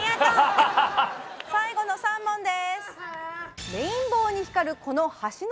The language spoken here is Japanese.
最後の３問です。